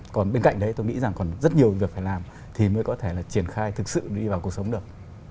còn bên cạnh đấy tôi nghĩ rằng còn rất nhiều việc phải làm thì mới có thể là triển khai thực sự đi vào cuộc sống được